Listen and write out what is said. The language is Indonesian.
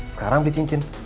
sekarang di cincin